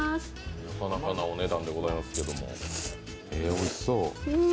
なかなかなお値段でございますけど、おいしそう。